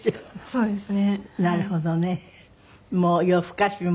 そうですね。